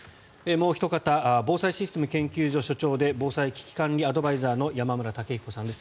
もうおひと方防災システム研究所所長で防災・危機管理アドバイザーの山村武彦さんです。